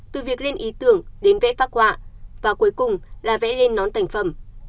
từ việc lên ý tưởng đến vẽ phát họa và cuối cùng là vẽ lên nón thành phẩm